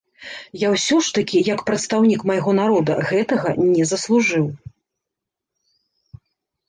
Я ўсё ж такі, як прадстаўнік майго народа, гэтага не заслужыў.